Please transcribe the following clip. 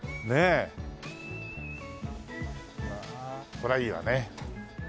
これはいいわね。